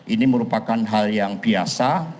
ini merupakan hal yang biasa